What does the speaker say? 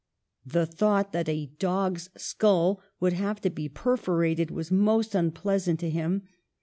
The thought that a dog's skull would have to be perforated was most unpleasant to him.